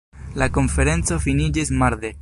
La konferenco finiĝis marde.